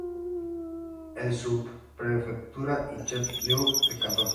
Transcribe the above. Es subprefectura y "chef-lieu" de cantón.